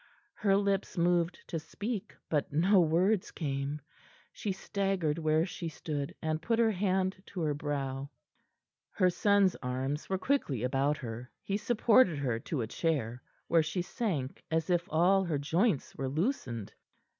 Her lips moved to speak, but no words came. She staggered where she stood, and put her hand to her brow. Her son's arms were quickly about her. He supported her to a chair, where she sank as if all her joints were loosened.